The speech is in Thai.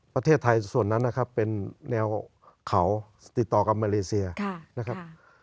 ประเทศไทยส่วนนั้นนะครับเป็นแนวเขาติดต่อกับมาเลเซียนะครับ